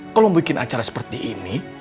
kalau bikin acara seperti ini